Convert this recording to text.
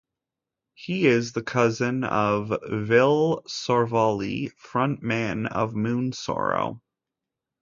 He is the cousin of Ville Sorvali, frontman of Moonsorrow.